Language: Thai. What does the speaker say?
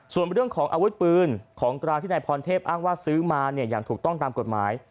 ส่วนเรื่องของอาวุธปืนของกลางที่นายพรเทพอ้างว่าซื้อมาเนี่ยอย่างถูกต้องตามกฎหมาย